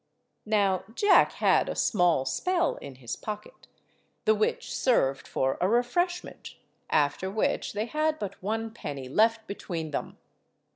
Now Jack had a small spell in his pocket, the which served for a refreshment, after which they had but one penny left between them.